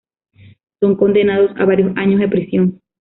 Son condenados a varios años de prisión.